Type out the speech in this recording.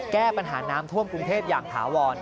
แก้ปัญหาน้ำท่วมกรุงเทพอย่างถาวร